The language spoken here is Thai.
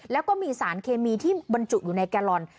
แล้วก็มีสารเคมีที่บรรจุอยู่ในแกลลอน